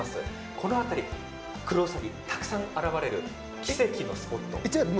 この辺りはクロウサギがたくさん現れる奇跡のスポットなんです。